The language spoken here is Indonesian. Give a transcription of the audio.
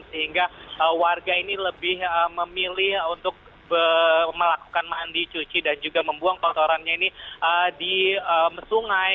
sehingga warga ini lebih memilih untuk melakukan mandi cuci dan juga membuang kotorannya ini di sungai